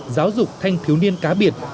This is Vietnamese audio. giáo dục thanh thiếu niên cá biệt